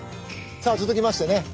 さあ続きましてね